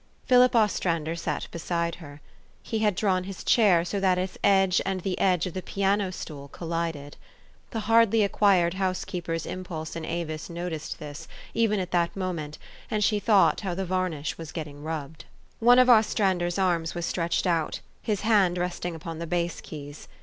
Philip Ostrander sat beside her. He had drawn his chair, so that its edge and the edge of the piano stool collided. The hardly acquired housekeeper's impulse in Avis noticed this, even at that moment, and she thought how the varnish was getting rubbed. One of Ostrander 's arms was stretched out, his hand resting upon the bass keys.